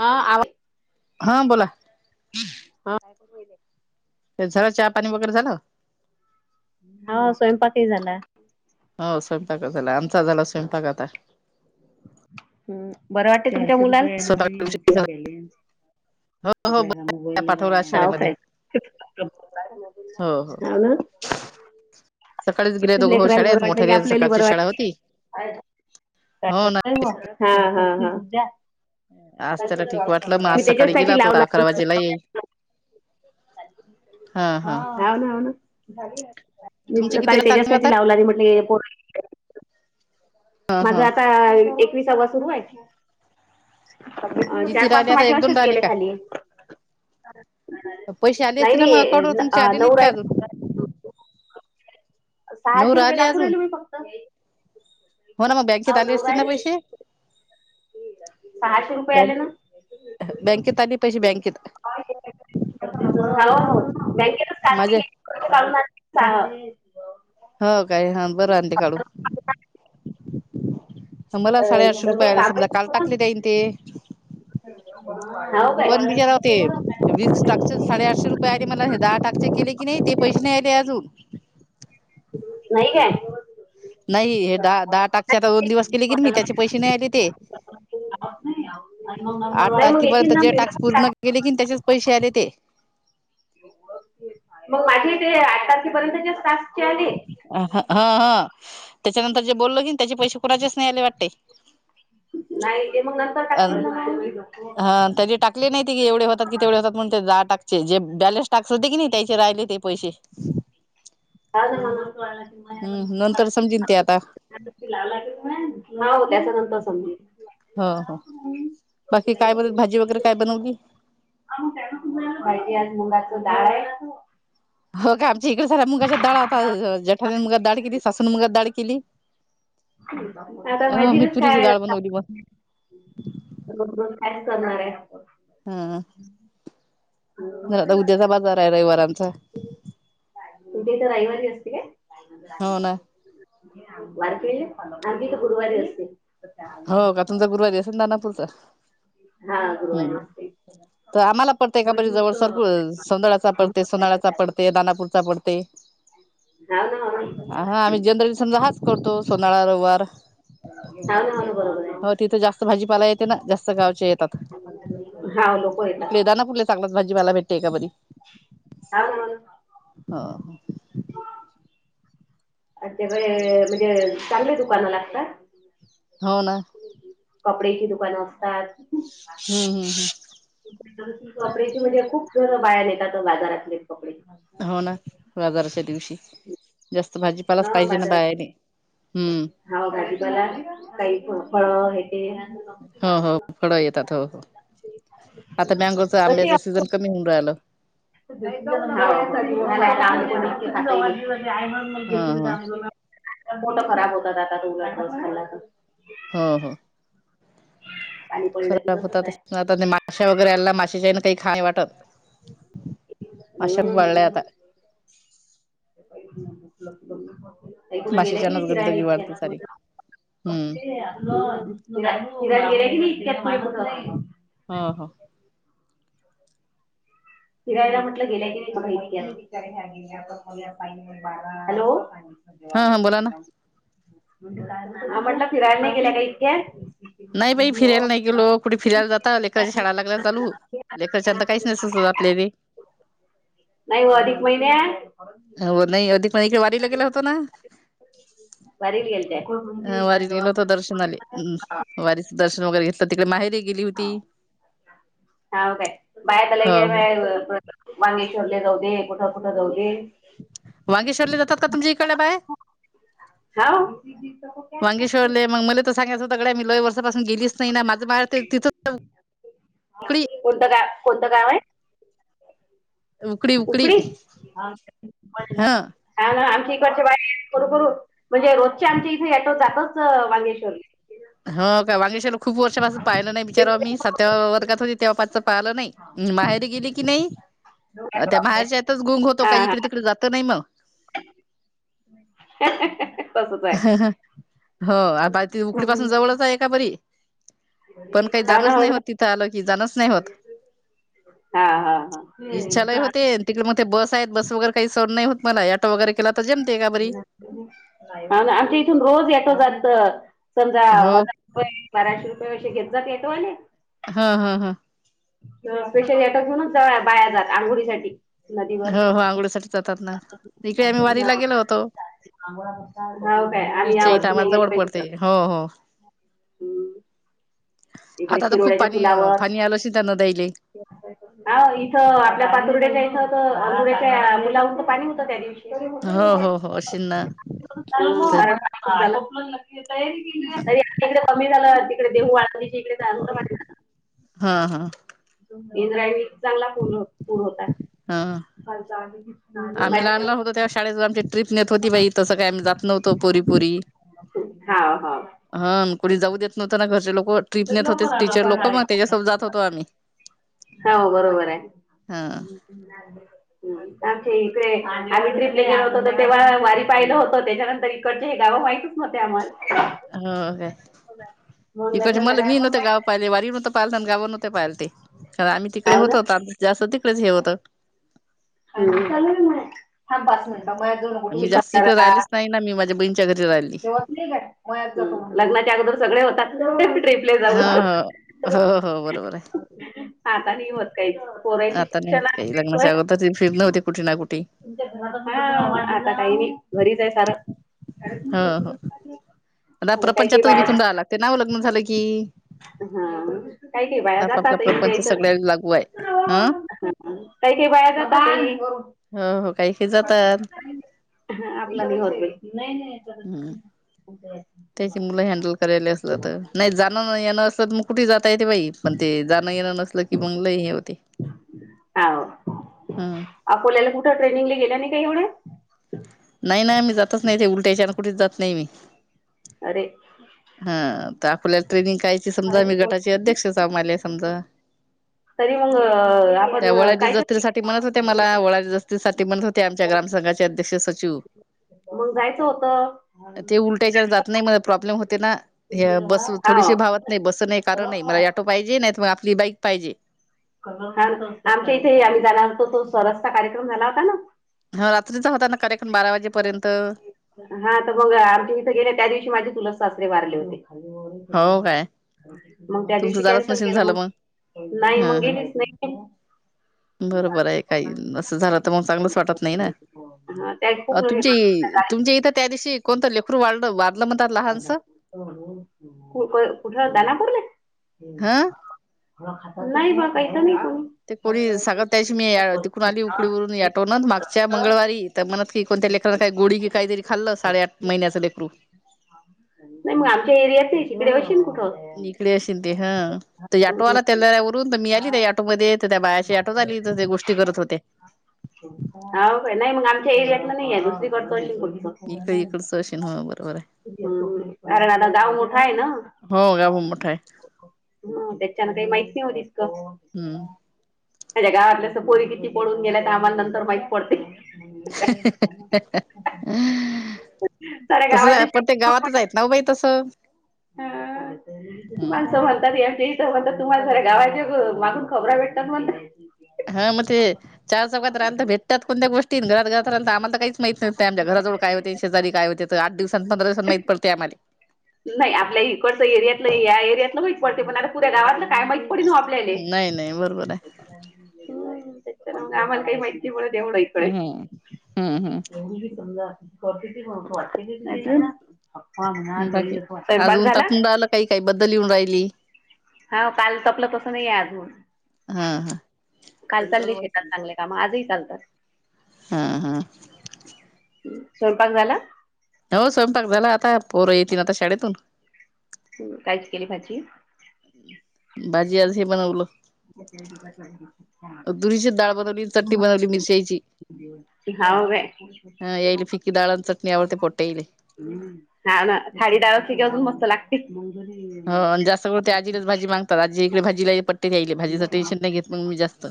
हा. आ आवा हा. बोला. हा. ते झालं चहा, पाणी वगैरे झालं. हाव स्वयंपाक ही झाला. हो स्वयंपाकच झाला, आमचा झाला स्वयंपाक आता. हम्म. बरं वाटत ते तुमच्या मुलाला स्वयंपाक उशीर झाला. हो हो पाठवला आज हावू शाळेमध्ये काय. हो हो हा, ना सकाळीच गेले दोघं भाऊ लेकराला बरं शाळेत वाटतं कि मोठ्या आपल्याकी सकाळची बरं शाळा होती वाट. हो ना [unintelligible] हा हा हा. आज त्याला ठीक वाटलं मग आज मी सकाळी गेला त्याच्यासाठी तो लावला अकरा वाजेला येईल [unintelligible] [inaudible] हा. हा. हाव ना हाव ना मी तुमचे सकाळी कितीला टाकून आता त्याच्यासाठी लावला मी येई म्हटलं पोरं. [inaudible] ह हा माझाआता एकवीसवा सुरु आहे. चार, किती पाच राहिले आता माझे एक दोन असेच राहिले गेले काय खाली. पैसे आले नाही असतील ना मग अकाउंट वर नाही तुमचे आ आले नउ नाहीत का रायड. अजून [inaudible] नऊ सहाशे रुपये राहिले दाखवू अजून राहले मी फक्त. हो ना मग बँकेत हाव आली नऊ असतील ना राहिले पैशे? सहाशे रुपये आले बँक ना बँकेत आली पैसे बँकेत. हो. हो. बँकेत. माझे हो काय हा बरं आणते काढू. मला अ, साडेआठशे रुपये तसंही आले काम आहे समजा, काल टाकले पण. ताईन ते. हो काय पण बिगारेव ते वीस टाक्स चे साडेआठशे रुपये आहेत. ते मला दहा टाकचे केले, की नाही ते पैसे नाही आले अजून. नाही काय नाही हे दहा दहा टाकचे आता दोन दिवस केले कि नी मी त्याचे पैसे नाही आले ते. आठ नाही मग येतील तारखेपर्यंत ना जे टाक्स पूर्ण केले कीन त्याच्याच पैशे आले ते. मग, माझे ते आठ तारखेपर्यंत टास्क चे आले. हा हा त्याच्यानंतर जे बोललो की त्याचे पैशे कुणाचेच नाही आले वाटते. नाही ते मग नंतर टाकतील ना मग. आन तरी टाक टाकले नाही की एवढे होतात कि तेवढे होतात, मग ते दहा टाकचे जे बॅलेन्स टाकस जे होते की नाही त्याचे राहिले ते पैसे. [unintelligible] हम्म. नंतर समजील ते आता. त्याच्या नंतर समजेल. हो हो. बाकी काय बोलत भाजी वगैरे काय बनवली? भाजी आणि मुंगाच डाळ आहे. हो काय आमच्या इकडे साऱ्या मुगाच्या डाळ आता जेठानिन मुगाची डाळ केली, सासून मुगाची डाळ केली. आता अ मी भाजीलाच तुरीची काय डाळ आता. बनवली मग काय करणार आहेस कर. हां. हां. झालं आता उद्याचा बाजार आहे रविवार आमचा. ती काय रविवारी असते काय? हो ना वारी केलीस आमचा इथं गुरुवारी असते. हो का? तुमचा गुरुवारी असेल दानापूरचा हा गुरुवारी हम्म. असते. तो आम्हाला पडते एका बरी जवळ सर सौंदळ्याचा पडते, सोनळ्याचा पडते, दानापूरचा पडते. हाव ना हाव ना. ह हा आम्ही जनरली समजा हाच करतो सोंडाळा रविवार. हाच [unintelligible] बरोबर आहे. हो तिथे जास्त भाजीपाला येते ना जास्त गावचे येत. हाव लोक येतात. दानापूरला चांगलाच भाजीपाला भेटते का बरी. हा ना म हं. अत्याकडे म्हणजे चांगली दुकानं लागतात? [inaudible] हो ना. कपडेची दुकानं असतात. हम्म. हम्म. हम्म. कपडेची म्हणजे खूप जण बाहेर घेतात बाजारातले कपडे. हो ना बाजाराच्या दिवशी जास्त भाजीपालाच पाहिजे ना बायाने. हम्म. हौव. भाजीपाला काही फळं हे ते [unintelligible] हो हो फळा येतात हो हो आता मँगोचा तशी आंब्याचा सीजन कमी होऊन राहिलं. [unintelligible] पोटं ह ह खराब होतात आता थोडं खाल्ला तर हो हो. पाणी पडलं की खराब तसंच आहे. होतातच आता त्या, माशा वगैरे आल्या माशाच्या हेण खाव नाही वाटत. माश्या खूप वाढल्या उम्म. आता [inaudible] अई कुड गेलाय की नाही माशाच्यानच फिरायले गंदगी वाढते इतक्या. सारी [unintelligible] हम्म फिरायला गेले का नाही इतक्यात. [unintelligible] हा हा. फिरायला म्हटलं गेल्या की नाही, कुठे इतक्यात. हॅलो. हा हा बोला ना हा म्हटलं फिरायला नाही गेल्या का इतक्या? नाही बाई फिरायला नाही गेलो, कुठे फिरायला जाता लेरकाच्या शाळाला लागला चालू. लेकरच्याता काहीच नाही सुचवत आपलेले नाही हो अधिक महिन्या हो नाही अधिक महिन्यात, इकडे वारीला गेलो होतो ना. वारीला वारीत गेलत्या. गेलोत होतो दर्शनाले, वारीचा दर्शन वगैर. हाव हाव काय बाया तर हो लई. हो [unintelligible] मांगेश्वरले जाऊ दे कुठं कुठं जाऊ दे. वाांगेश्ववरला जा काय करते तुमचा, इकडचे बाये वांगी हाव सोडले. मग मला तर सांगायचं होत्या गड्या, मी लय वर्षापासून गेलीच नाही ना, माझं बाळ तिथं. उकडी कोणतं गा कोणतं गाव आहे? उकडी [unintelligible] हा ह ना आमच्या इकडचे बाई करू करू म्हणजे रोजच्या आमच्या इथे याटो जातच मांगेश्वरले. हाव का वांगेशाला खूप वर्षापासून पाहिलं नाही विचारवा मी सातव्या वर्गात होती तेव्हा पाचं पाहिलं नाही. उम्म बाहेर गेली की नाही त्या माहेरच्या यातच गोंग होतो हा काही हा इकडे तिकडे जातं नाही म. [unintelligible] हो आ बाय ती उकडी पासून जवळच आहे का बरी. पण काही हा ना जाणच नाही हो ना तिथं आलं की जाणच च नाही होत हा हा हा. इच्छा लई होते तिकडे म ते बस आहेत बस वगैरे काही सहन नाही होत मला ही ऑटो वगैरे केला तर जेमते का बरी. आमच्या इथून, रोज येतो जातो समजा ह हो हो. बाराशे रुपये घेत [unintelligible] हं हं हं. स्पेशली अटक म्हणूनच बाया जाता अंघोळी साठी. हो हो.. आंघोळीसाठी जातात ना, इकडे आम्ही वारीला गेलो होतो. हाव काय आम्ही या इथच्या इथं वर्षी नाही आम्हाला गेलो जवळ पाहि पडते तिथं. हो हो. इकडे आता आता खूप खिरोड्याच्या पाणी पुलावर पाणी आल अशील त्यां नद्यायले. इथं आपल्या पातुर्ड्याच्या इथं, तर अोड्याच्या पुलावरच पाणी होतं त्या दिवशी. हम्म, हो हो हो अशीन ना आता [unintelligible] तिकडे कमी झालं तिकडे देहू आळंदीचे. [unintelligible] हा हा. इंद्रायणी चांगला पूर्ण पूर होता. हा. [unintelligible] आम्ही लहान लहान होतो तेव्हा शाळेत आमची ट्रिप नेत होती बाई तस काही आम्ही जात नवतो पोरी पोरी. हाव हाव. ह कुणी जाऊ देत नव्हत ना घरचे लोक ट्रीप नेत होते टीचर लोक मग त्यांच्यासोबत जात होतो आम्ही. हौव बरोबर आहे. हा आमच्या इकडे आम्ही ट्रीपले गेलं होतो तर तेव्हा वारी पाहिलं होतं त्याच्यानंतर इ कडचे हे गांव, माहितच न्हवते आम्हाला. हो. काय मग लग्न इकडचे, मला मी झाल्यावर मग नव्हते माहित गाव. पहिले झालं. वारी न पाहिलत आणि गावावर न ते पाहिल ते, कारण आम्ही तिकडे हाव ना होतो जास्त तिकडेच हे होतं. मी जास्त इकडे राहिलेच [unintelligible] नाही ना मी माझ्या बहीणच्या घरी राहिली. होत नाही का नाही लग्नाच्या अगोदर सगळे होतात ट्रिप. [unintelligible] ह हो हो हो बरोबर आहे. आता नाही होत काही पोरांचे आता नाहीत शिक्षण होत काही आहे, लग्नाच्या अगोदर फिरणे होते कुठे ना कुठे तुमच्या का आता काही नाही घरीच आहे सारं. [unintelligible] ह ह आता रात्र काही काही पंचातच बाया गुथून राहा लागते ना लग्न झालं की. हा. काही काही बाया आपापला जातात इथल्या प्रपंच इथं. सगळ्या लागू आहे ह काही काही बाया जातात ही. [unintelligible] हो हो काही [unintelligible] हे जातात. हा आपला नाही होत बाई. नाही नाही. हम्म. [unintelligible] त्याची मुलं हँडल करायली असल तर, नाही जाणं येणं असलं तर मग कुठे जाता येते बाई. पण ते जाणं येण नसल कि मंग लयी हे होते हाव. हम्. अकोल्याला कुठ ट्रेनिंग गेल्या नाही का एवढे? नाही ना मी जातच नाही ते उलट्याच्या आणि कुठच जात नाही मी. अरे! हा तर आकोल्यात ट्रेनिंग कायची समजा मी गटाचे अध्यक्ष होऊ आले समजा. तरी मग आपण कायच तेज्यासाठी म्हणत होते मला, [unintelligible] साठी म्हणत होते आमच्या ग्रामसंंघाचे अध्यक्ष सचिव. मग जायचं होत. त्याच्यान जात नाही मला प्रॉब्लेम होते ना बस हाव. थोडीशी भावत नाही बस नाही कारण नाही ऑटो पाहिजे, नाहीत मग आपली बाईक पाहिजे. आमच्या इथे आम्ही झाला होतो तो स्वराज चा कार्यक्रम झाला होता ना ह रात्रीचा होताना कार्यक्रम बारा वाजे हा तर मग अर्जी इथ गेले त्या दिवशी माझे चुलत सासरे वारले होते ओढ हो काय मग त्या तुमचं दिवशी जाणच कॅन्सल नशीन केलं झालं मग नाही हा मग हा गेलीच नाही. बरोबर आहे काही असं झालं तर मग चांगलंच वाटत नाही ना. हा त्या अ खूप हे तुमची तुमच्या इथं त्या दिवशी कोणतं लेखरू वाड वार कुठ दानापूर ले. हा [unintelligible] ड खात नाही बा काहीत [unintelligible] ते कोणी सांगत त्याची मी तिकडून आली उकडीवरून ऑटो न मागच्या मंगळवारी. तर म्हणत की कोणत्या लेकरना काही गोडि की काहीतरी खाल्लं साडे आठ महिन्याचं लेकरू. नाही मग आमच्या एरियात नाही तिकडे अशीन कुठं [unintelligible] तिकडे अशीन ते हा. [unintelligible] त्या ऑटो हम्म. आला त्यालवरून तर मी आली त्या ऑटोमध्ये तर त्या बायाशी आटो झाली तर ते गोष्टी करत होते. [unintelligible] हाव काय नाही मग आमच्या एरिया हम्म इकड इकडचं असेन हो बरोबर [unintelligible] [unintelligible] हमकारण आता गाव मोठा आहे ना. हो गाव मोठाय [unintelligible] त्याच्यानं काही माहीत नाही ओ तितकं. हम्म माझ्या गावातल्या असं पोरी किती पळनू गेल्यात आम्हालानंतर माहीत पडतंय. साऱ्या तसंही गावाच्या पण ते गावातच आहेत ना बाई तसं हा माणसं म्हणतात एमच्या ह म्हणतात तुम्हाला जर गावाचे मागून खबर भेटतात म्हणत [unintelligible] हा मग ते चार चौघात राहता भेटत्यात कोणत्या गोष्टी आणि घरात घरात राहता. आम्हाला काही माहीत नव्हतंय आमच्या घराजवळ काय होते, शेजारी काय होते. तर आठ दिवसांनी पंधरा दिवसांनी माहीत पडते आम्हाले. नाही आपल्या इकडचं एरियातलं या एरियातलं माहीत पडते, पण आता पुऱ्या गावातलं काय माहित. पडीन हो आपल्याले. नाही नाही बरोबर आहे. मग आम्हाला काही माहिती पडत येवढ इकडे हम्म हम्म हम्म. समजा. [unintelligible] बाकी आज स्वयंपाक ऊन झाला? तापून राहिलं काही काही बद्दल येऊन राहिली. हा काल सपलं तसं नाही आहे अजून, हा हा काल चालले शेतात चांगले. काम आज ही चालतात. हां हां. स्वयंपाक झाला? हो स्वयंपाक झाला, आता पोरं येथीन आता शाळेतून. काहीच केली भाजी? भाजी आज हे बनवलं. तुरीचे डाळ बनवली, चटणी बनवली मिरच्याईची. [unintelligible] ह याल फिकि डाळ आणि चटणी आवडते पोट हिले. खारीडाळ असले की, अजून मस्त लाग एक [inaudible] हो आणि जास्त करून ते आजीलाच भाजी मागतात. आजी इकडे भाजीला हे पट ते द्यायले, भाजीचं टेन्शन नाही घेत मग मी जास्त.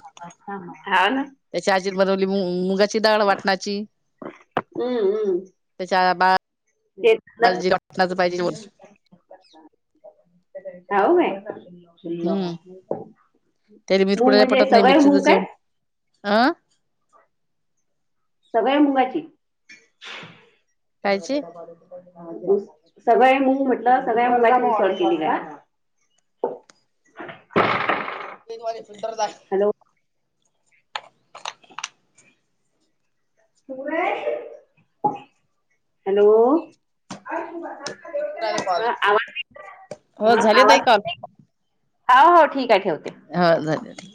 हाव ना त्याची आजी बनवली मुंग, मुगाची डाळ वाटणाची. अं अं. त्याच्या बाळ. [unintelligible] डाळ जीरा [unintelligible] पाहिजे बोल. हा हो काय. हम्म त्याला मुंग म्हणजे सवय मुंग काय? आं. सगळ्या मुंगाची. कायची सगळ्या मुग म्हटलं, सगळ्या मुगाची उसळ केली काय. फ्रिज वाले फिल्टर झाक. हॅलो. हॅलो. हं आवाज येतो, हो हा झाले ताई आवाज कॉल येतोय का? आ हो ठीक आहे ठेवते. हो झाले.